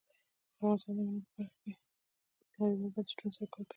افغانستان د منی په برخه کې نړیوالو بنسټونو سره کار کوي.